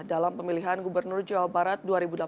dalam pemilihan gubernur jawa barat dua ribu delapan belas